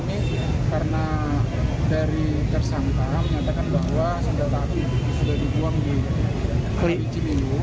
tapi karena dari tersangka menyatakan bahwa sandal api sudah dibuang di cimilu